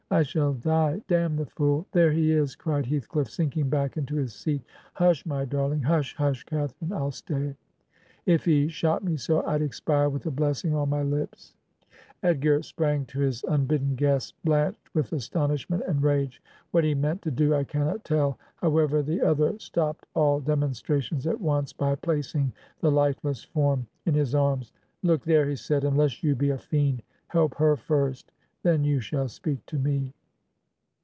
I shall die!' 'Damn the fool! There he is!' cried Heathcliff, sinking back into his seat. ' Hush, my darling ! Hush, hush, Cathanne 1 I'll stay. If he shot me so, I'd expire with a blessing on my lips.' ... Edgar sprang to his imbidden guest, blanched with astonishment and rage. What he meant to do I cannot tell; however, the other stopped all dem onstrations at once by placing the lifeless form in his arms. 'Look there!' he said; 'xmless you be a fiend, help her first — then you shall speak to me.'